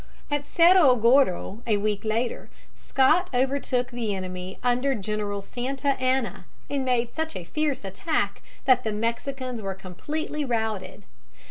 At Cerro Gordo, a week later, Scott overtook the enemy under General Santa Anna, and made such a fierce attack that the Mexicans were completely routed.